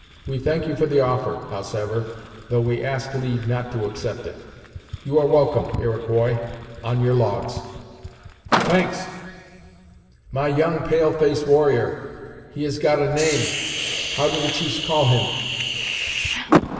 We thank you for the offer, howsever, though we ask leave not to accept it. You are welcome, Iroquois, on your logs." "Thanks My young pale face warrior he has got a name how do the chiefs call him?"